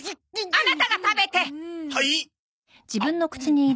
アナタが食べて！はいっ！